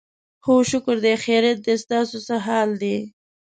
هو شکر دی، خیریت دی، ستاسو څه حال دی؟